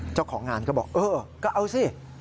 เจ้าของงานก็บอกเออก็เอาสิ